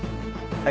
はい。